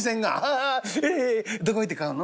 どこ行って買うの？」。